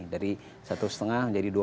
dari satu lima jadi dua enam